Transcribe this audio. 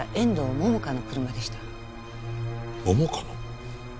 桃花の？